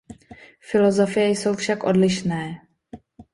Filozofie jsou však odlišné.